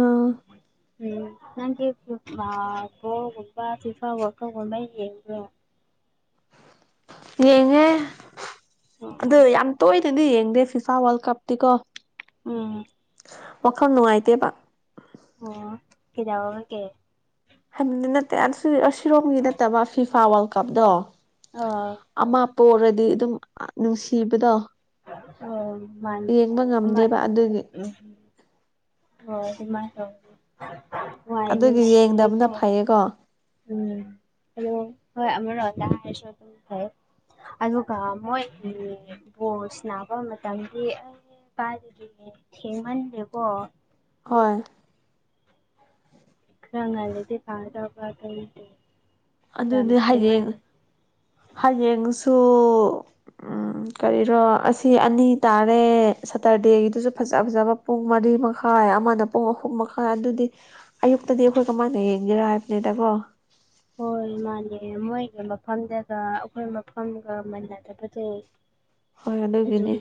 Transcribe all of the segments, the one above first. ꯑꯥ ꯎꯝ ꯅꯪꯒꯤꯕꯣꯒꯨꯝꯕ ꯇꯤꯐ ꯋꯥꯀꯒꯨꯝꯕ ꯌꯦ꯭ꯔꯦ [inaudible] ꯌꯦꯡꯉꯦ ꯎꯝ ꯑꯗꯨ ꯌꯥꯝ ꯇꯣꯏꯅꯗꯤ ꯌꯦꯡꯗꯦ ꯐꯤꯐꯥ ꯋꯥꯔꯜ ꯀꯞꯇꯤꯀꯣ ꯎ ꯋꯥꯈꯜ ꯅꯨꯡꯉꯥꯏꯇꯦꯕ ꯑꯣ ꯀꯔꯎꯕ ꯀꯦ ꯍꯥꯏꯕꯗꯤ ꯅꯠꯇꯦ ꯁꯤꯔꯣꯡꯝꯒꯤ ꯅꯠꯇꯕ ꯐꯤꯐꯥ ꯋꯥꯔꯜ ꯀꯞꯇꯣ ꯑ ꯄꯔꯗꯤ ꯑꯗꯨꯝ ꯅꯨꯡꯁꯤꯕꯗꯣ ꯑꯣ ꯃꯥꯅꯦ ꯌꯦꯡꯕ ꯑꯃ ꯉꯝꯗꯦꯕ ꯑꯗꯨꯒꯤ ꯍ ꯏꯃꯥꯏ ꯍꯏ ꯑꯗꯨꯒꯤ ꯌꯦꯡꯗꯕꯅ ꯅꯨꯡꯁꯤꯀꯣ ꯐꯩꯌꯦꯀꯣ ꯎꯝ ꯍꯂꯣ ꯍꯣꯏ ꯑꯃꯔꯣ ꯂꯔꯁ ꯐ ꯑꯗꯨꯒ ꯃꯣꯏꯒꯤ ꯕꯣꯁ ꯅꯥꯕ ꯃꯇꯝꯒꯤ ꯔꯔꯤ ꯊꯦꯡꯃꯦꯟ ꯂꯩꯦꯕꯣ ꯍꯣꯏ ꯆꯈ꯭ꯔ ꯉ ꯂꯩꯗꯤ ꯐꯥꯗ꯭ꯔꯕꯥꯗꯇꯦ ꯑꯗꯨꯗꯤ ꯍꯌꯦꯡ ꯍꯌꯦꯡꯁꯨ ꯎꯝ ꯀꯔꯤꯔꯣ ꯑꯁꯤ ꯑꯅꯤ ꯇꯥꯔꯦ ꯁꯇꯔꯗꯦꯒꯤꯗꯨꯁꯨ ꯐꯖ ꯐꯖꯕ ꯄꯨꯡ ꯃꯔꯤꯃꯛ ꯃꯈꯥꯏ ꯑꯃꯅ ꯄꯨꯡ ꯑꯍꯨꯝ ꯃꯈꯥꯏ ꯑꯗꯨꯗꯤ ꯑꯌꯨꯛꯇꯗꯤ ꯑꯩꯈꯣꯏ ꯀꯃꯥꯏꯅ ꯌꯦꯡꯒꯦꯔꯥ ꯍꯥꯏꯕꯅꯤꯗꯀꯣ ꯍꯣꯏ ꯃꯥꯅꯦ ꯃꯣꯏꯒ ꯃꯐꯝꯗꯒ ꯑꯩꯈꯣꯏ ꯃꯐꯝꯒ ꯃꯅꯗꯕꯁꯦ ꯍꯣꯏ ꯑꯗꯨꯗ ꯑꯣꯏꯕꯤꯅꯦ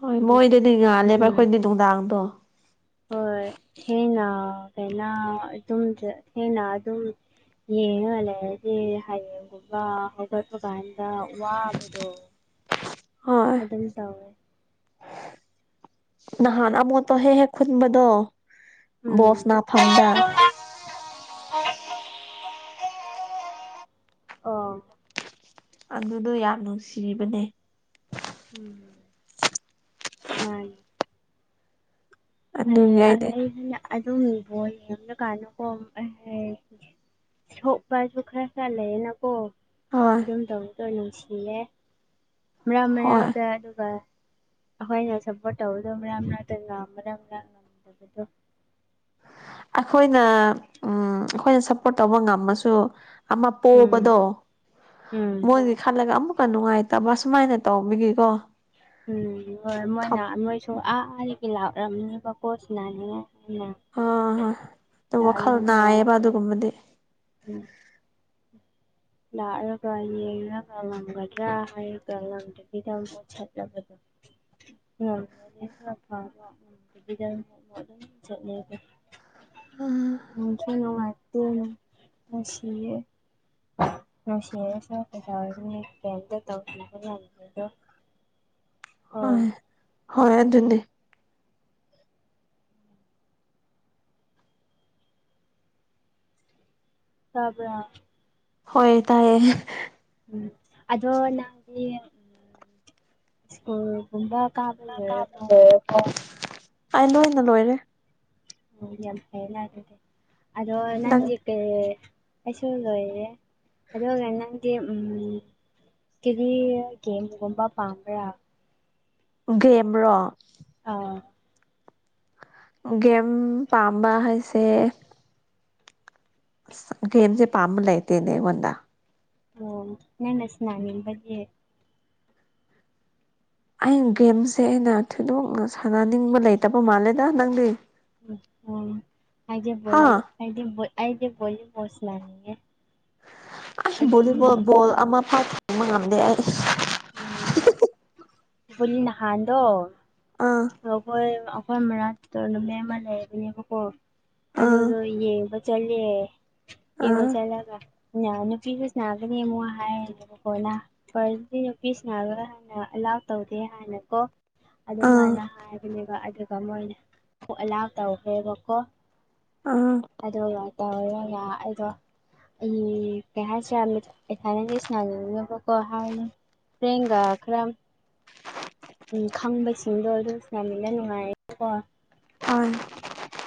ꯍꯣꯏ ꯑꯗꯨ ꯃꯣꯏꯗꯗꯤ ꯉꯥꯜꯂꯦꯕ ꯎꯝ ꯑꯩꯈꯣꯏꯗꯤ ꯅꯨꯡꯗꯥꯡꯗꯣ ꯍꯣꯏ ꯊꯦꯡꯅꯩꯅ ꯑꯗꯨꯝ ꯊꯦꯡꯅ ꯑꯗꯨꯝ ꯌꯦꯡꯜꯂꯔꯗꯤꯦ ꯍꯌꯦꯡꯒꯨꯝꯕ ꯍꯧꯒꯠꯄ ꯀꯥꯟꯗ ꯋꯥꯕꯗꯣ ꯍꯣꯏ ꯑꯗꯦꯜ ꯇꯧꯦ ꯅꯍꯥꯟ ꯑꯃꯣꯠꯇꯣ ꯍꯦꯛ ꯍꯦꯛ ꯈꯨꯟꯕꯗꯣ ꯎꯝ ꯕꯣꯁ ꯅꯥꯐꯝꯗ ꯑꯣ ꯑꯗꯨꯗꯣ ꯌꯥꯝ ꯅꯨꯡꯁꯤꯕꯅꯦ ꯎꯝ ꯃꯥꯏ ꯑꯗꯨꯒꯤ ꯑꯩꯗꯤ ꯑꯩ ꯑꯗꯨꯝꯕꯣꯅ ꯀꯅ ꯁꯣꯛ ꯄꯥꯏꯖꯈꯥ ꯆ ꯂꯩꯦꯅꯀꯣ ꯍꯣꯏ ꯑꯗꯨꯝ ꯇꯧꯗꯧ ꯅꯨꯡꯁꯤꯜꯔꯦ ꯃꯔꯛ ꯍꯣꯏ ꯃꯔꯥꯡꯗ ꯑꯗꯨꯒ ꯑꯩꯈꯣꯏ ꯉ ꯁꯄꯣ ꯇꯧꯗꯣ ꯃꯔ ꯉ ꯇꯕꯗ ꯑꯩꯈꯣꯏꯅ ꯎꯝ ꯑꯩꯈꯣꯏꯅ ꯁꯞꯄꯣꯔꯠ ꯇꯧꯕ ꯉꯝꯃꯁꯨ ꯑꯃ ꯎꯝ ꯄꯣꯄꯗꯣ ꯎꯝ ꯃꯣꯏꯗꯤ ꯈꯥꯂꯒꯦ ꯑꯃꯛ ꯆꯄ ꯅꯨꯡꯉꯥꯏꯇꯕ ꯁꯨꯃꯥꯏꯅ ꯇꯧꯕꯤꯒꯤꯀꯣ ꯎꯝ ꯍꯣꯏ ꯃꯣꯏꯅ ꯅꯣꯏꯁꯨ ꯑꯥ ꯑꯥꯒꯤ ꯂꯥꯛꯔꯝꯅꯦꯕꯀꯣꯠꯁꯤꯅꯅꯦ ꯑ ꯍꯣꯏ ꯑꯗꯨ ꯋꯥꯈꯜ ꯂꯥꯛꯔꯒ ꯅꯥꯏꯌꯦꯕ ꯑꯗꯨꯒꯨꯝꯕꯗꯤ ꯂꯔ ꯀꯅꯤ ꯀꯂꯂꯝ ꯀꯔ ꯍꯥꯏꯥꯏ ꯀꯂꯝꯠ [unintelligible] ꯆ ꯃꯖ ꯎꯝ ꯅꯨꯡꯉꯥꯏꯇ ꯃꯁꯤꯁꯤꯦ ꯃꯔ ꯀꯗ ꯇꯧꯗ ꯍꯣꯏ ꯍꯣꯏ ꯑꯗꯨꯅꯦ ꯆꯕꯔꯥ ꯍꯣꯏ ꯇꯥꯏꯌꯦ ꯎ ꯑꯗꯣ ꯅꯪꯗꯤ ꯁꯀꯨꯜꯒꯨꯝꯕ ꯑꯩ ꯂꯣꯏꯅ ꯂꯣꯏꯔꯦ ꯑꯣ ꯌꯥꯝ ꯐꯦꯂꯦ ꯑꯗꯣ ꯅꯪ ꯀꯦ ꯑꯩꯁꯨ ꯂꯣꯏꯔꯦ ꯑꯗꯨꯒ ꯅꯪꯗꯤ ꯀꯤꯔꯤ ꯀꯦꯝ ꯀꯨꯝꯕ ꯄꯥꯡꯝꯕ꯭ꯔꯥ ꯒꯦꯦꯝ꯭ꯔꯣ ꯑꯥ ꯒꯦꯝ ꯄꯝꯝꯕꯁꯦ ꯦꯝꯁꯦ ꯄꯥꯝꯕ ꯂꯩꯥꯏꯇꯦꯅꯦ ꯋꯥꯟꯗ ꯑꯣ ꯅꯟꯅꯁꯅꯥꯅꯤꯦ ꯑꯩ ꯒꯦꯝꯁꯦ ꯑꯩꯅ ꯊꯤꯗꯣꯛꯅ ꯁꯥꯟꯅꯅꯤꯡꯕ ꯂꯩꯇꯕ ꯃꯥꯜꯂꯦꯗ ꯅꯪꯗꯤ ꯎ ꯍꯥ ꯑꯩꯒꯤꯦꯣꯦ ꯑꯗꯤ ꯑꯩꯗꯤꯦꯣꯦ ꯍꯣꯁꯂꯅꯤꯦ ꯑꯁ ꯚꯣꯂꯤꯕꯣꯜ ꯣꯜ ꯑꯃ ꯐꯥ ꯊꯦꯡꯕ ꯉꯝꯗꯦ ꯑꯩ ꯎꯝ ꯑꯥ ꯅꯍꯥꯟꯗꯣꯈꯣꯏ ꯑꯩꯈꯣꯏ ꯃꯔꯅꯥ ꯇ ꯅꯨ ꯃ ꯑꯃ ꯂꯩꯕꯅꯦꯕꯀꯣ ꯑꯥ ꯑꯗꯨꯗꯣ ꯌꯦꯡꯕ ꯆꯠꯂꯦ ꯀꯕ ꯑꯥ ꯆꯂꯒ ꯅꯨꯄꯤꯗꯨꯁꯅꯥꯒꯅꯤ ꯑꯃꯣ ꯍꯥꯏꯔꯅꯦꯕꯀꯣꯗꯤ ꯅꯨꯄꯤꯁꯤ ꯅꯥꯔꯥꯟꯅ ꯇꯧꯗꯦ ꯍꯥꯏꯅꯀꯣ ꯑꯗꯨꯃꯥꯏꯅ ꯑꯥ ꯍꯥꯏꯕꯅꯦꯕ ꯑꯗꯨ ꯃꯣꯏꯅ ꯄꯣꯛ ꯑꯂꯥꯎ ꯇꯧꯈ꯭ꯔꯦꯕꯀꯣ ꯑꯥ ꯑꯗꯨꯒ ꯇꯧꯔꯔ ꯉ ꯑꯩꯗꯣ ꯎ ꯀꯁꯦ ꯑꯦꯁꯅ ꯀꯍ ꯔꯦꯡꯒꯥꯈ꯭ꯔꯝ ꯎꯝ ꯈꯪꯕꯁꯤꯡꯗꯣ ꯑꯗꯨ ꯌꯥꯝꯃꯤꯅ ꯅꯨꯡꯉꯥꯏꯔ ꯀꯣ ꯍ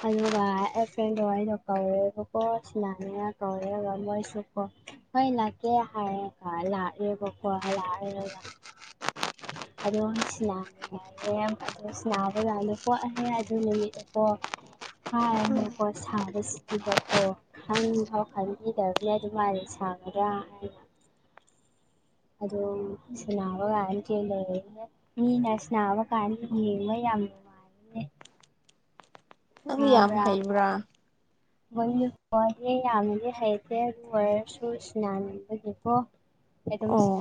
ꯑꯗꯨꯒ ꯑꯩ ꯐ꯭ꯔꯦꯟꯗꯣ ꯋꯥꯔꯤꯗꯣ ꯀꯧꯔꯦꯕꯀꯣ ꯁꯨꯃꯅꯦꯅ ꯀꯧꯔꯦꯒ ꯃꯣꯏꯁꯨ ꯀꯣ ꯍꯣꯏ ꯂꯥꯛꯀꯦ ꯍꯥꯏꯔꯦꯀ ꯂꯥꯛꯑꯦꯕꯀꯣ ꯂꯥꯛꯑꯔꯦ ꯑꯗꯣ ꯁꯤꯅꯥꯅꯤꯡꯉꯥꯏꯅꯦ ꯑꯗꯣ ꯁꯤꯅꯥꯕ ꯀꯥꯟꯗ ꯄꯣꯛꯑꯔꯦ ꯑꯗꯨ ꯅꯨꯃꯤꯠꯇꯀꯣ ꯍꯥꯏꯔꯀꯣ ꯁꯥꯕꯁꯤꯗꯤꯕꯀꯣ ꯈꯟꯐꯥꯎ ꯈꯟꯕꯤꯗꯕꯅꯤ ꯑꯗꯨꯃꯥꯏꯦ ꯁꯥ [unintelligible] ꯑꯗꯣ ꯁꯅꯥꯕ ꯀꯥꯟꯇ ꯁꯅꯥꯕ ꯀꯥꯟ ꯌꯥ ꯑꯅꯦ ꯅꯪꯗꯤ ꯌꯥꯝ ꯍꯩꯕ꯭ꯔꯥ ꯃꯣꯏꯒꯤꯀꯍꯦ ꯌꯥꯝꯅꯗꯤ ꯍꯩꯇꯦ ꯑꯗꯨ ꯑꯣꯏꯔꯁꯨ ꯏꯁꯅꯥꯅꯤꯡꯕꯒꯤꯀꯣ [unintelligible] ꯑ ꯑꯣ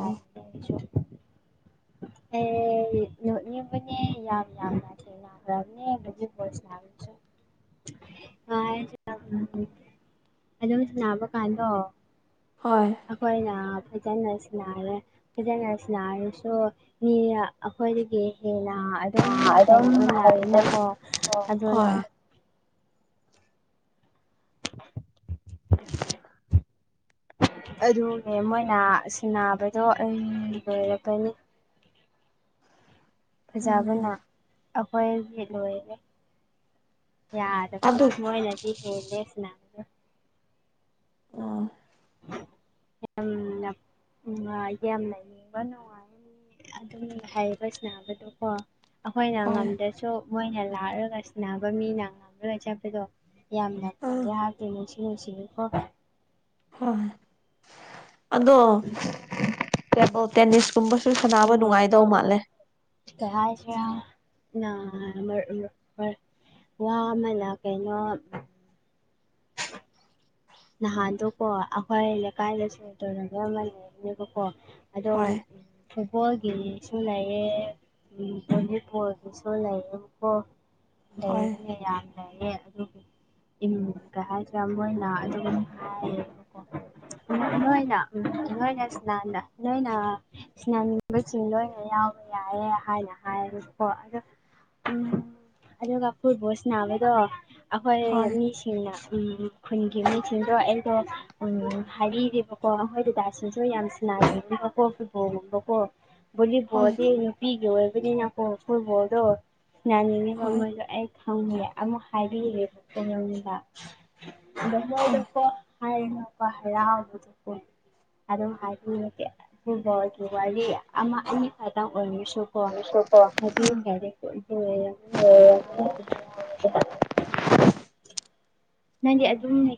ꯅ ꯃꯅꯦ ꯌꯥ ꯌꯥ ꯃꯥꯅꯥ꯭ꯔ ꯑ ꯑꯣꯝ ꯕ ꯀꯥꯟꯗꯣ ꯍꯣꯏ ꯑꯩꯈꯣꯏꯅ ꯐꯩꯖꯅ ꯁꯤꯅꯥꯔꯦ ꯐꯩꯖꯅ ꯁꯤꯅꯥꯔꯁꯨ ꯃꯤ ꯑꯩꯈꯣꯏꯗꯒꯤ ꯍꯦꯟꯅ ꯑꯗꯨꯝ ꯍꯩꯕ ꯂꯥꯛꯑꯦꯅꯀꯣ ꯑꯗꯨꯅ ꯍꯣꯏ [inaudible] ꯑꯗꯨꯅꯦ ꯃꯣꯏꯅ ꯁꯤꯟꯅꯕꯗꯣ ꯑꯩ ꯂꯣꯏꯔꯕꯅꯤ ꯎꯝ ꯐꯖꯕꯅ ꯑꯩꯈꯣꯏꯒꯤ ꯂꯣꯏꯔꯦ ꯌꯥꯗ ꯑꯗꯨ ꯃꯣꯏꯅꯗꯤ ꯍꯦꯦꯁ ꯑꯥ ꯌꯥꯝꯅ ꯎ ꯌꯥꯝꯅ ꯏꯪꯕ ꯅꯨꯡꯉꯥꯏ ꯑꯗꯨꯝ ꯍꯥꯏꯌꯦꯕ ꯁꯅꯕꯗꯣꯀꯣ ꯑꯩꯈꯣꯏꯅ ꯍꯣꯏ ꯉꯝꯗ꯭ꯔꯁꯨ ꯃꯣꯏꯅ ꯂꯥꯛꯂꯒ ꯁꯅꯕ ꯃꯤꯅ ꯉꯝꯔꯒ ꯆꯠꯄꯗꯣ ꯌꯥꯝꯅ ꯑꯥ ꯐꯖꯩ ꯍꯥꯏꯗꯤ ꯅꯨꯡꯁꯤ ꯅꯨꯡꯁꯤꯕꯤꯀꯣ ꯍꯣꯏ ꯑꯗꯣ ꯀꯣ ꯇꯦꯅꯤꯁ ꯑꯗꯨ ꯃꯔ ꯀꯌꯥꯥꯏꯁ ꯋꯥ ꯑꯃ ꯂ ꯀꯩꯅꯩꯅꯣ [inaudible] ꯅꯍꯥꯟꯗꯣ ꯀꯣ ꯑꯩꯈꯣꯏ ꯂꯩꯀꯥꯏꯗ ꯁ ꯇꯧꯅꯕ ꯑꯃ ꯂꯩꯔꯅꯦꯕꯀꯣ ꯑꯗꯣ ꯍꯣꯏ ꯐꯨꯠꯕꯣꯜꯒꯤꯁꯨ ꯂꯩꯑꯦ ꯚꯣꯂꯤꯄꯣꯔꯒꯤꯁꯨ ꯂꯩꯑꯦꯀꯣ ꯍꯣꯏ ꯂꯩꯔꯅꯦ ꯌꯥꯝ ꯂꯩꯔꯦ ꯑꯗꯨꯕꯨ ꯀ ꯍꯥꯏꯗ꯭ꯔꯦ ꯃꯣꯏꯅ ꯎ ꯅꯣꯏꯅ ꯅꯣꯏꯅ ꯏꯁ ꯅꯣꯏꯅ ꯏꯁꯅꯥꯅꯤꯡꯕꯁꯤꯡ ꯂꯣꯏꯅ ꯌꯥꯎꯕ ꯌꯥꯏ ꯍꯥꯏꯅ ꯍꯥꯏ ꯎꯝ ꯑꯗꯨꯗ ꯀꯄꯨꯔꯕꯣꯁꯅꯅꯥꯋꯦꯗꯣ ꯑꯩꯈꯣꯏ ꯍꯣꯏ ꯃꯤꯁꯤꯡꯅ ꯎ ꯈꯨꯟꯒꯤ ꯁꯤꯡꯗꯣ ꯑꯩꯗꯣ ꯍꯥꯏꯔꯤꯕꯀꯣ ꯑꯩꯣꯏ ꯗꯗꯥꯁꯤꯡꯁꯨ ꯌꯥꯝ ꯁꯟꯅꯕꯀꯣ ꯐꯨꯠꯕꯣꯜ ꯀꯣ ꯍꯣꯏ ꯕꯨꯣꯂꯤꯕꯣꯗꯤ ꯅꯨꯄꯤꯒꯤ ꯑꯣꯏꯕꯅꯤꯅꯀꯣ ꯐꯨꯕꯣꯜꯗꯣ ꯍꯣꯏ ꯁꯅꯥꯅꯤꯅꯦꯕꯝꯣꯏꯁꯨꯣ ꯑꯩ ꯈꯪꯍꯦ ꯑꯃꯨꯛ ꯍꯥꯏꯕꯤꯔꯦ ꯌꯨꯝꯗ ꯑꯗ ꯎꯝ ꯃꯣꯏꯗꯀꯣ ꯍꯥꯏꯅꯀ ꯍꯥꯏ ꯌꯥꯎꯕꯗ ꯐꯣ ꯑꯗ ꯍꯥꯏꯕ ꯑ ꯈꯗ ꯑꯣꯏꯅꯤ ꯀꯣ ꯍꯥꯏꯗꯤ ꯐꯔꯦ ꯌꯥꯝ [inaudible] ꯅꯪꯗꯤ ꯑꯗꯨꯝꯅꯦ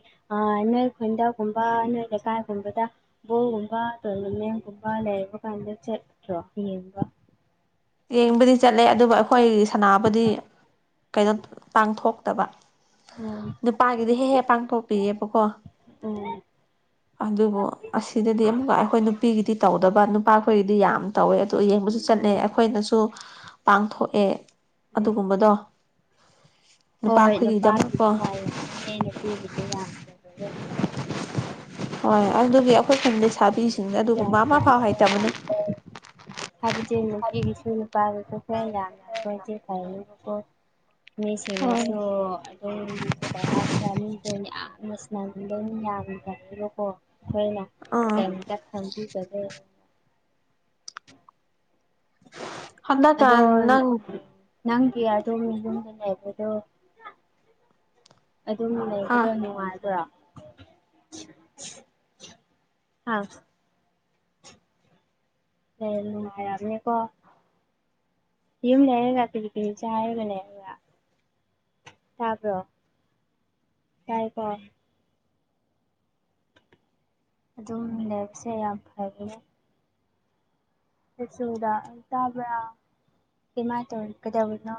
ꯅꯣꯏ ꯈꯨꯟꯗꯒꯨꯝꯕ ꯅꯣꯏ ꯂꯩꯀꯥꯏꯒꯨꯝꯕꯗ ꯕꯣꯜꯒꯨꯝꯕ ꯇꯣꯔꯅꯃꯦꯟꯒꯨꯝꯕ ꯂꯩ ꯀꯟ ꯆ꯭ꯔꯣ ꯍꯕ ꯌꯦꯡꯕꯗꯤ ꯆꯠꯂꯦ ꯑꯗꯨꯕꯨ ꯑꯩꯈꯣꯏ ꯁꯅꯥꯕꯨꯗꯤ ꯀꯣ ꯄꯥꯡꯊꯣꯛꯇꯕ ꯎꯝ ꯅꯨꯄꯥꯒꯤꯗꯤ ꯍꯦꯛ ꯍꯦꯛ ꯄꯥꯡꯊꯣꯛꯄꯤꯑꯕꯀꯣ ꯎꯝ ꯑꯗꯨꯕꯨ ꯑꯁꯤꯗꯗꯤ ꯑꯃꯨꯛꯀ ꯑꯩꯈꯣꯏ ꯅꯨꯄꯤꯒꯤꯗꯤ ꯇꯧ ꯗ ꯅꯨꯄꯥ ꯑꯩꯈꯣꯏꯒꯤꯗꯤ ꯌꯥꯝ ꯇꯧꯋꯦ ꯑꯣ ꯌꯦꯡꯕꯁꯨ ꯆꯠꯅꯦ ꯎꯝ ꯄꯥꯡꯊꯣꯛꯑꯦ ꯎꯝ ꯑꯗꯨꯒꯨꯝꯕꯗꯣ ꯍꯣꯏ ꯅꯨꯄꯥꯈꯣꯏꯒꯤꯗꯃꯛꯀꯣ ꯅꯨꯄꯥꯀꯤꯗ ꯌꯥꯝ ꯌꯥꯝꯉ ꯅꯨꯄꯤꯒꯤꯗ ꯌꯥꯝ ꯍꯣꯏ ꯑꯗꯨꯒꯤ ꯑꯩꯈꯣꯏ ꯈꯨꯟ ꯂꯩ ꯁꯥꯕꯤꯁꯤꯡꯁ ꯒ꯭ꯌꯥꯟ ꯑꯗꯨꯒꯨꯝꯕ ꯑꯃ ꯐꯥꯎ ꯇꯥꯗ꯭ꯔꯦ ꯍꯥꯏꯇꯕꯅꯦ ꯍꯥꯏꯕꯗꯤ ꯅꯨꯄꯤꯒꯤꯁꯨ ꯅꯨꯄꯥꯒꯤꯁꯨ ꯍ ꯌꯥꯝꯅꯊꯗꯤꯦ ꯐꯀꯣ ꯍꯣꯏ ꯃꯤꯁꯤꯡꯅꯁꯨ ꯑꯗꯨꯝ ꯀꯩ ꯍꯥꯏꯁꯨꯔ ꯃꯤꯁꯨ ꯌꯥꯝꯌꯥꯝꯅ ꯃꯗꯅ ꯌꯥꯝꯗꯅꯤꯕꯀꯣ ꯑꯩꯈꯣꯏꯅ ꯑꯥ ꯀꯔꯤꯝꯇ ꯈꯪꯕꯤꯒꯗꯦ ꯑꯗꯣ ꯍꯟꯗꯛꯀꯥꯟ ꯅꯪ ꯅꯪꯒꯤ ꯑꯗ ꯏꯅ ꯂꯩꯕꯗꯨ ꯑꯗꯨꯝ ꯍꯥ ꯂꯩꯕꯗꯣ ꯅꯨꯡꯉꯥꯏꯕ꯭ꯔꯣ ꯑꯥꯎ ꯂꯩ ꯃꯅꯤꯀꯣ ꯌꯨꯝ ꯅꯔꯒ ꯇꯅꯤ ꯆꯌꯦꯕꯅꯦꯔꯉ ꯇꯥꯕ꯭ꯔꯣ ꯇꯔꯄ ꯑꯗꯨꯝ ꯂꯩꯕꯁꯦ ꯌꯥꯝ ꯐꯔ ꯁꯨꯗ ꯏ ꯇꯕ ꯀꯃꯥꯏ ꯇꯧ ꯑꯣꯏꯔ ꯀꯗꯅꯣ